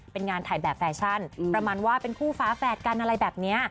เป็นงานถ่ายแบบแฟชั่นประมาณว่าเป็นคู่ฟ้าแฝดกันอะไรแบบนี้